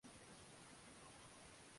leo ushambo ambaye ameshinda